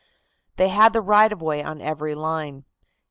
They had the right of way on every line.